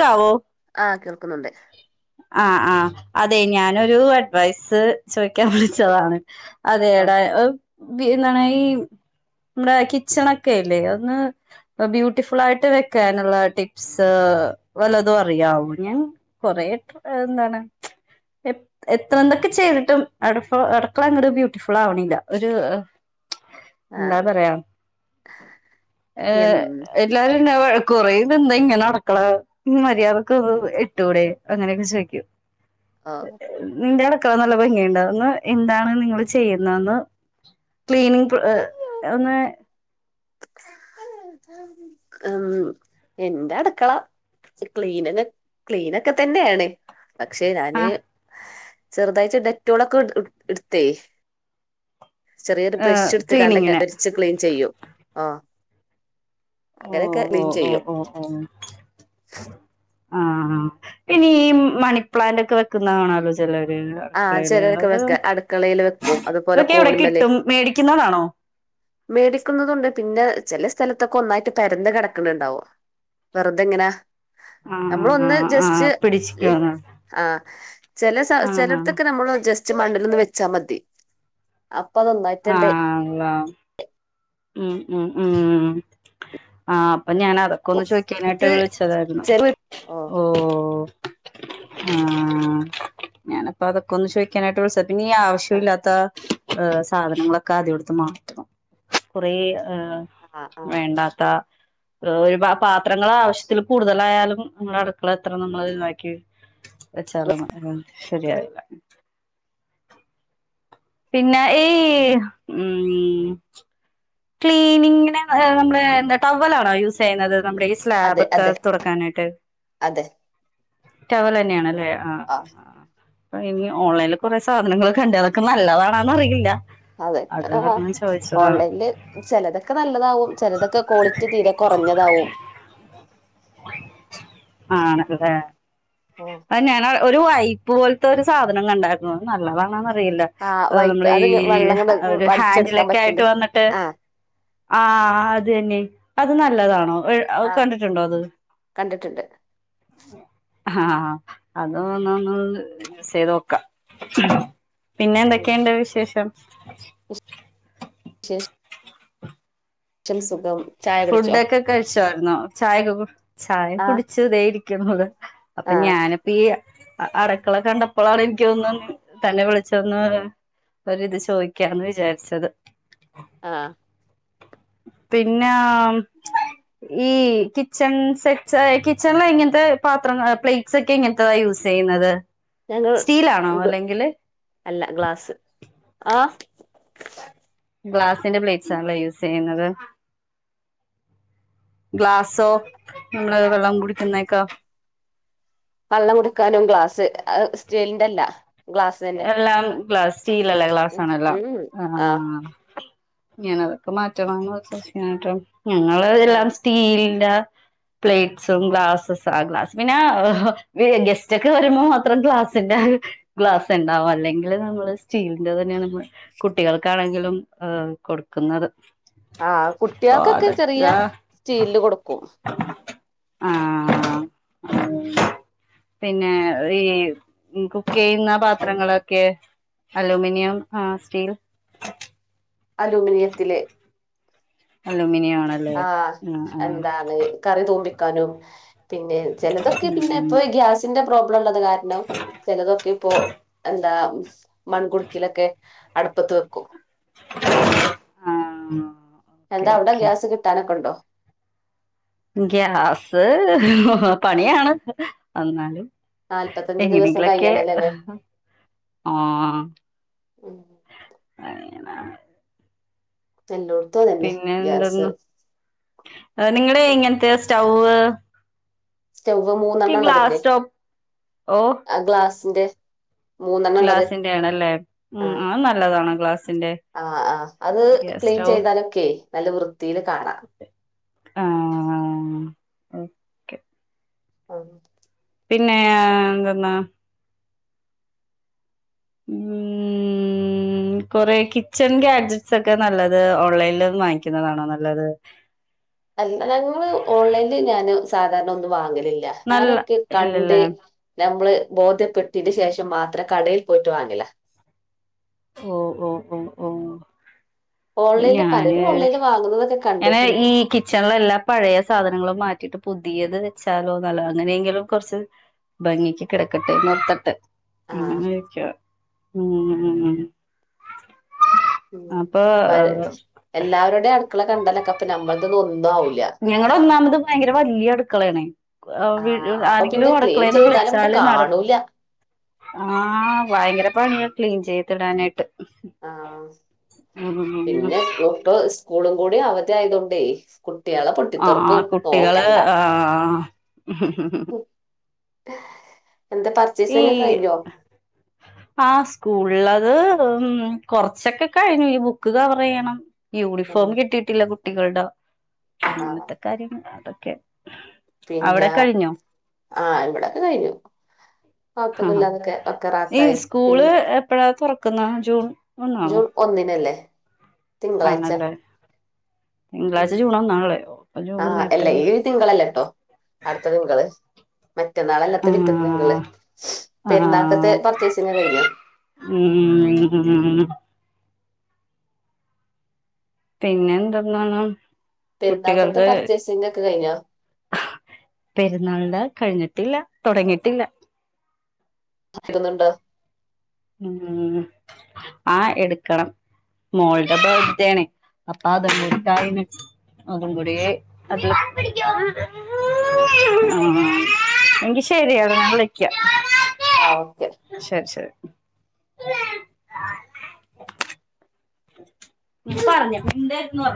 ക്കാവോ ആഹ് കേൾക്കുന്നുണ്ട് ആഹ് ആഹ് അതെ ഞാനൊരു അഡ്വൈസ് ചോയിക്കാൻ വിളിച്ചതാണ് ഓഹ് അതെടാ ഓവ് പി ന്താണ് ഈ നമ്മടെ കിച്ചണൊക്കെല്ലേ അത് ഒന്ന് ബ്യൂട്ടിഫുളായിട്ട് വെക്കാനുള്ള ടിപ്സ് വലതും അറിയാവോ ഞാൻ കൊറെ എന്താണ് എത്രഎന്തൊക്കെചെയ്തിട്ടും അ ടക്കളങ്ങട്ട് ബ്യൂട്ടിഫുളാആവണില്ല ഒരു എന്താ ആഹ് പറയാ ഏഹ എൻ ഏഹ് എല്ലാരും എന്നെ വഴക്ക്പറയും ഇതെന്താഇങ്ങനടക്കള മ്മ് മര്യാദക്ക ഒഇട്ടൂടെ അങ്ങനെയൊക്കെ ചോദിക്കും ഓഹ് നിന്റെഅട് ക്കളനല്ലഭംഗിയുണ്ടോ ങ്ങള് എന്താണ് നിങ്ങള് ചെയ്യുന്നന്ന് ക്ലീനിങ് പ്ര ഒന്ന് എം എന്റെ അട്ക്കള ക്ലീന് ക്ലീനൊക്കെ തന്നെയാണ് പക്ഷെ ആ ഞാന് ചെറുതാഴ്റ്റ് ഡെറ്റോളൊക്കെ എട്ത്തേ ചെറിയൊരു ബ്രഷ് എടുത്ത് കാണ്ടൊക്കെ ക്ലീനിങ്ങിന് ഒരച്ച് ക്ലീൻ ചെയ്യൂം ആഹ് ഓ അങ്ങനെയൊക്കെ ഓ ക്ലീൻ ഓ ചെയ്യും ഓ ഹോ ആഹ് അഹ് പിന്ന ഈ മണിപ്ലാന്റ് ഒക്കെ കാണാല്ലോ ചിലര് ആഹ് അടുക്കളയില് ചിലരൊക്കെ അത് വെക്ക അടുക്കളയിൽ വെക്കും അതുപോലെ അതൊക്കെ എവിടെ കോണിമ്മല് കിട്ടും മേടിക്കുന്നതാണോ മേടിക്കുന്നതുണ്ട് പിന്നെ ചില സ്ഥലത്തൊക്കെ ഒന്നായിട്ട് പെരന്ന് കെടക്കുന്നുണ്ടാവും വെറുതെങ്ങനാ ആഹ് നമ്മളൊന്ന് ആഹ് ആഹ് ജസ്റ്റ് പിടിച്ചിക്കോന്ന് ആഹ് ചെല സ്ഥ ചെല ആഹ് നമ്മൾ ജസ്റ്റ് മണ്ണിൽൊന്ന് വെച്ചാ മതി അപ്പൊ അതൊന്നായിട്ട് ആണ്ല്ലാം ഉം ഉം ഉം ആഹ് അപ്പൊ ഞാനത് ഒന്ന് ചോക്കാനായിട്ട പൊറത്ത് വി വെിച്ചതായിരുന്നു ചെല ഓഹ് ആഹ് ഞാനിപ്പോ അതൊക്കെ ഒന്ന് ചോിക്കാനായിട്ട് വിളി പിന്ന ആവശ്യ ആഹ് ഇില്ലാത്ത,, സാധനങ്ങളൊക്കെ ആദ്യെടുത്ത് മാറ്റണം കുറെ എഹ് ആഹ് ആഹ് വേണ്ടാത്ത ഒരു പാത്രങ്ങൾ ആവശ്യത്തിൽ കൂടുതലായാലും നമ്മുടെ അടുക്കള എത്രണം നമ്മൾ ഇതാക്കി വെച്ചാലൊന്നും ഉം ശരിയാവില്ല പിന്നെ ഈ ഊം ക്ലീനിങ്ങിന് നമ്മടെ എന്താ ടവ്വൽ ആണോ യൂസ് ചെയ്യുന്നത് നമ്മിട്ക്സ് സ്ലാബ് അതെ ഒക്കെ അതെ തുറക്കാനായിട്ട് അതെ ടവൽ തന്നെയാണല്ലേ ആഹ് ആഹ് അഹ് ഇനി ഓൺലൈനിൽ കൊറെ സാധനങ്ങൾ കണ്ട അതൊക്കെ നല്ലതാണോന്ന് അറിയില്ല അതെ അത് ഹോം കാരണം ചോദിച്ചതാണ് ഓൺലൈന്ല് ചിലതൊക്കെ നല്ലതാവും ചിലതൊക്കെ ക്വാളിറ്റി തീരെ കുറഞ്ഞതാവും ആണല്ലൊ ആഹ് അഹ് ഞാൻ ഒരു വൈ്പ് പോലത്തെ ഒരു സാധനം കണ്ടായിരുന്നു നല്ലതാണൊന്ന് അറിയില്ല ആഹ് വൈപ്പ് നമ്മടെ അത് ഈ വെള്ളങ്ങട് ഒരു ഹാന്റി വലിച്ചെടുക്കാൻ ലൊക്കെ പറ്റ്ണ്ട് ആയിട്ട് വന്നിട്ട് ആഹ് ആഹ് അത് തന്നെ അത് നല്ലതാണോഅത് ആഹ് കണ്ടിട്ടുണ്ടോ അത് കണ്ടിട്ടുണ്ട് അഹ് അത് വന്ന് ഒന്ന് യൂസ് ചെയ്തോക്കാം പിന്നെ എന്തൊക്കെയുണ്ട് വിശേഷം ചച [unintelligible] പക്ഷം സുഖം ചായ കുടിച്ചോ ഫുഡൊക്കെ കഴിച്ചായിരുന്നോ ചായൊക്കെ ചായ ആഹ് കുടിച്ചു ഇതേ ഇരിക്കിണോ ള്ള് അപ്പൊ ആഹ് ഞാൻ ഈ അട്ക്കള കണ്ടപ്പോളാണ് എനിക്കൊന്ന തന്നെ വിളിച്ചന്ന് ഒരിത് ചോദിക്കാന്ന് വിചാരിച്ചത് ആഹ് പിന്നെ ആം ഈ,, കിച്ചൺ സെറ്റ്സ് കിച്ചണില ഇങ്ങനത്തെ പാത്രം പ്ലേറ്റ്സ് ഒക്കെ ഇങ്ങനത്തെതാ യൂസ് ചെയ്യുന്നത് സ്റ്റീലാണോ ഞങ്ങള്്ഗ്ള് അല്ലെങ്കില് അല്ല ഗ്ലാസ്സ് ആഹ് ഗ്ലാസ്സിന്റെ പ്ലേറ്റ്സ് ആണ്ല്ലേ യൂസ് ചെയ്യുന്നത് ഗ്ലാസോ നമ്മള് വെള്ളം കുടി ക്കുന്നതൊക്കെ വള്ളം കുടുക്കാനും ഗ്ലാസ് സ്റ്റീലിന്റെല്ല എല്ലാം ഗ്ലാസ് സ്റ്റീലല്ല ഗ്ലാസ് ഉം ആണല്ലാം ഉം ആഹ് ഞാനതൊക്കെ മാറ്റണംന്ന് ഓർത്താ ഇരിക്കാനെട്ടോ ഞങ്ങള് ആഹ് എല്ലാം സ്റ്റീലിന്റെ പ്ലേറ്റ്സും ഗ്ലാസ്സസ് ആ ഗ്ലാസ് പിന്നെ ഗെസ്റ്റ ഒക്കെ വരുമ്പോൾ മാത്രം ഗ്ലാസ്സിന്റെ ഗ്ലാസ് ണ്ടാവും അല്ലെങ്കിൽ നമ്മള് സ്റ്റീലിന്റെ തന്നെയ നമ്മ കുട്ടികൾക്കാണെങ്കിലും ആ കൊടുക്കുന്നത് ആഹ് അപ്പൊ കുട്ട്യേൾക്കൊക്കെ ചെറിയ സ്റ്റീല്ല് കൊടുക്കും ആഹ് അത് ഉം ല്ലേ പിന്നെ ഈ കുക്കെയ്യുന്ന പ പത്രങ്ങളൊക്കെ അലൂമിനിയം ആ സ്റ്റീൽ അലൂമിനിയത്തില് അലൂമിനിയം ആണ് ആഹ് എന്താണ് കറി തൂമ്പിക്കാനും പിന്നെ ചെലതൊക്കെ ഉം പിന്നെ ഗ്യാസ് സ്സിന്റെ പ്രോബ്ലം ഉള്ളത് കാരണം ചെലതൊക്കെ ഇപ്പോ എന്താ മൺ ഗുടുക്കെലൊക്കെ അടപ്പത്ത് വെക്കും ആഹ് ഓക്കെ എന്താ അവടെ ഓക്കെ ഗ്യാസ് കിട്ടാനൊക്കെണ്ടോ? ഗ്യാസ് പണിയാണ് അന്നാലും നാല്പത്തഞ്ച് ദിവസം എങ്ങനെങ്കിലൊക്കെ കഴിയണല്ലോല്ലേ ആഹ് ഉം എല്ലോട്ത്തും അതന്നെ ഗ്യാസ് ആ നിങ്ങടെ എങ്ങനത്തെ സ്റ്റൗ്വ്വ് സ്റ്റവ്വ് മൂന്നെണ്ണം ഒള്ളതില്ലേ? ഗ്ലാസ് ടോപ്പ് ഓ ആ ഗ്ലാസിന്റെ മൂന്നെണ്ണം ഉള്ളത് ഗ്ലാസിന്റെണല്ലേ? ഉം ഉം അത് നല്ലതണ് ഗ്ലാസ്സിന്റെ ആഹ് ആ്ഹ് അത് ക്ലീൻ ചെയ്താലൊക്കെ നല്ല വൃത്തീല് കാണാം ആഹ് ഓക്കെ ഉം പിന്നെ എന്തെന്നാ ഉം ഉം കൊറെ കിച്ചൺ ഗാഡജറ്റ്സ് ഒക്കെ നല്ലത് ഓൺലൈനിൽന്ന് വാങ്ങിക്കുന്നതാണോ? നല്ലത് അല്ല ഞങ്ങള് ഓൺലൈനിൽ ഞാന് സാധാരണ ഒന്നും വാങ്ങലില്ല. നല്ല ഞാനൊക്കെ കണ്ട് ഇല്ലല്ലേ ഞമ്മള് ബോധ്യപ്പെട്ടിന് ശേഷം മാത്രം കടയിൽ പോയിട്ട് വാങ്ങലാ ഓ ഓ ഓ ഓ ഓൺലൈനിൽ ഞാന് പലരും ഓൺലൈനിൽ വാങ്ങുന്നതൊക്കെ ഞാന് കണ്ടിട്ടുണ്ട് ഈ കിച്ചണില എല്ലാ പഴയ സാധനങ്ങളും മാറ്റിയിട്ട് പുതിയത് വെച്ചാലോ നല്ല അങ്ങനെയെങ്കിലും കൊറച്ച് ഭംഗിക്ക് കിടക്കട്ടെ നോർത്ത്ട്ട് ആ അങ്ങനെയ്ക്കയാ ഉം ഉം അപ്പൊ ആഹ് എല്ലാവരുടെ അടുക്കള കണ്ടലൊക്കെ അപ്പൊ ഞമ്മളതൊന്നും ഒന്നും ആവുല്ല ഞങ്ങള ഒന്നാമത് ഭയങ്കര വലിയ അടുക്കള ആാണ് ആ വിട് അപ്പൊ പിന്നെ ആരെങ്കിലും ക്ലീൻ അടക്കളേന്ന് ചെയ്താലും അങ്ങോട്ട് വിളിച്ചാല് നട കാണൂല ആഹ് ഭയങ്കര പണിയ ക്ലീൻ ചെയ്തിടാനായിട്ട് ആഹ് ഉം പിന്നെ ക്കുമ്പോ സ്കൂളും കൂടി അവധി ആയതൊണ്ടേയ് കുട്ട്യേളെ ആ പൊട്ടിത്തെർപ്പും കുട്ടികള് നോക്കണ്ട ആ എന്തേ പ ഈ ആ സ്കൂളള്ളത് ഉം കൊറച്ചൊക്കെ കഴിഞ്ഞു ഇനി ബുക്ക് കവറിയ്യണം യൂണിഫോം കിട്ടിട്ടില്ല കുട്ടികളുടെ, ആ അങ്ങനത്തെ കാര്യങ്ങൾ അതൊക്കെ അവിടെ പിന്നെ കഴിഞ്ഞോ ആഹ് ഇവിടെ ഒക്കെ കഴിഞ്ഞു. ആഹ് കുഴപ്പൊന്നുമില്ലാതൊക്കെ ഒക്കെ ഈ റാത്തായി സ്കൂള് പിന്നെ എപ്പഴാ തുറക്കുന്ന ജൂൺ. ഒന്നാണോ ജൂൺ ഒന്നിനല്ലേ തിങ്കളാഴ്ച. ആണല്ലേ ഉം. തിങ്കളാഴ്ച ജൂൺ ഒന്നാണല്ലേ അപ്പൊ ജൂൺ നേരത്തേ. ഈ തിങ്കൾ അല്ല കേട്ടോ അടുത്ത തിങ്കള്. മറ്റന്നാള് അല്ലാത്ത പിറ്റതെ തിങ്കള് ആഹ് പെരുന്നാളുക്കത്തെ പർച്ചേസിങ്ങ് കഴിഞ്ഞോ? ഉം ഉം. പിന്നെ എന്തെന്നാണ് പെരുന്നാക്കത്തെ കുട്ടികൾക്ക്. പർച്ചേസിങ് ഒക്കെ കഴിഞ്ഞോ പെരുന്നാളിന്റെ കഴിഞ്ഞിട്ടില്ല തുടങ്ങിയിട്ടില്ല. എടുക്കുന്നുണ്ടോ? ഉം ആഹ് എടുക്കണം മോളുടെ ബർത്ത്ഡേ ആണേ. അപ്പം അതുകൊണ്ടാണ്. അതും കൂടെയാ അത് ആഹ്. എങ്കിൽ ശരി എന്നാ ഞാൻ വിളിക്കാം. ആഹ് ഓക്കേ. ശരി ശരി. ഞാൻ പറഞ്ഞിട്ടുണ്ട് എന്ന് പറഞ്ഞു.